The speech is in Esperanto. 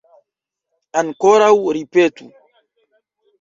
Ankoraŭ ripetu.